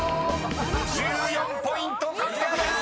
［１４ポイント獲得です］